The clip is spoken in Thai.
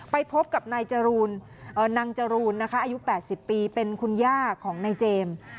ไปพบกับนายนางจรูนนะคะอายุ๘๐ปีเป็นคุณย่าของนายเจมส์